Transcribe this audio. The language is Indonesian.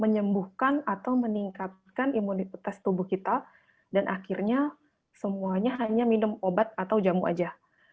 menyembuhkan atau meningkatkan imunitas tubuh kita dan akhirnya semuanya hanya minum obat atau jamu saja